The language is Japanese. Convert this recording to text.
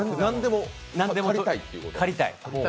何でも狩りたい。